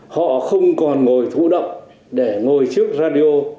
họ không còn ngồi thủ động để ngồi trước radio